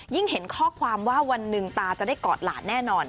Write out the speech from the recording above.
เห็นข้อความว่าวันหนึ่งตาจะได้กอดหลานแน่นอน